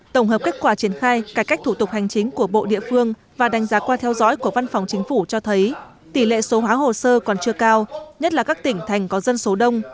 tổng hợp kết quả triển khai cải cách thủ tục hành chính của bộ địa phương và đánh giá qua theo dõi của văn phòng chính phủ cho thấy tỷ lệ số hóa hồ sơ còn chưa cao nhất là các tỉnh thành có dân số đông